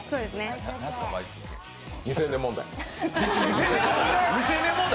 ２０００年問題。